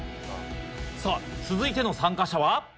さぁ続いての参加者は。